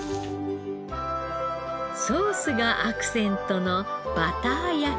ソースがアクセントのバター焼き。